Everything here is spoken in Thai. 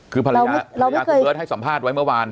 คือภรรยาภรรยาคุณเบิร์ตให้สัมภาษณ์ไว้เมื่อวาน